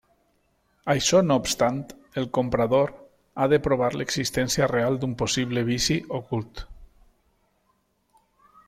Això no obstant, el comprador ha de provar l'existència real d'un possible vici ocult.